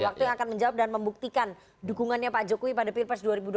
waktu yang akan menjawab dan membuktikan dukungannya pak jokowi pada pilpres dua ribu dua puluh